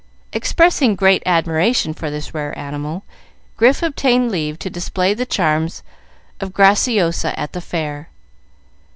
Expressing great admiration for this rare animal, Grif obtained leave to display the charms of Graciosa at the Fair.